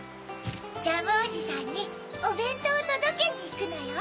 ジャムおじさんにおべんとうをとどけにいくのよ。